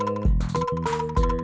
gua mau badam